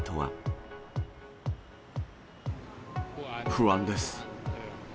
不安です。